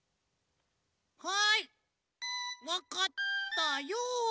はいわかったよ！